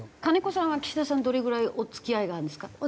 金子さんは岸田さんどれぐらいお付き合いがあるんですか？